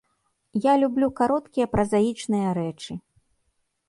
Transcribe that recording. Я люблю кароткія празаічныя рэчы.